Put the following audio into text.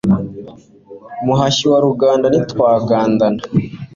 Muhashyi wa Ruganda ntitwagandana